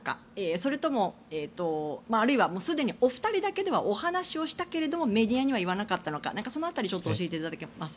それとも、あるいはすでにお二人だけではお話をしたけれどもメディアには言わなかったのかその辺りを教えていただけますか？